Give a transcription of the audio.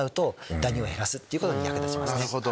なるほど。